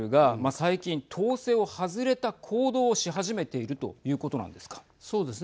最近、統制を外れた行動をし始めているということなんですか。